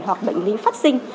hoặc bệnh lý phát sinh